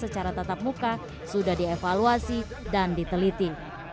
secara tatap muka sudah dievaluasi dan diteliti